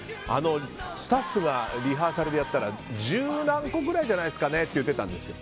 スタッフがリハーサルでやったら十何個ぐらいじゃないですかねって言ってたんですよ。